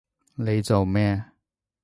你做乜？